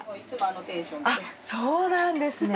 あっそうなんですね。